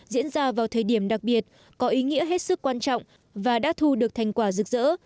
diễn ra vào thời điểm đặc biệt có ý nghĩa hết sức quan trọng và đã thu được thành quả rực rỡ